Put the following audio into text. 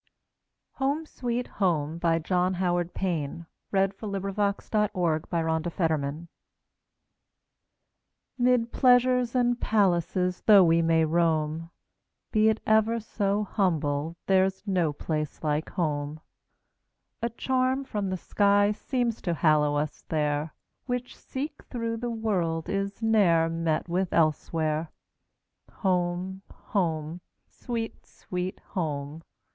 e Maid of Milan" John Howard Payne 1791–1852 John Howard Payne 14 Home, Sweet Home MID PLEASURES and palaces though we may roam, Be it ever so humble there 's no place like home!A charm from the sky seems to hallow us there, Which, seek through the world, is ne'er met with elsewhere. Home! home! sweet, sweet home!